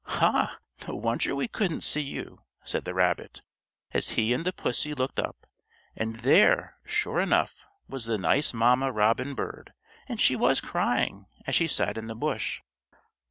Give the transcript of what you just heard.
"Ha, no wonder we couldn't see you," said the rabbit, as he and the pussy looked up, and there, sure enough, was the nice mamma robin bird, and she was crying, as she sat in the bush.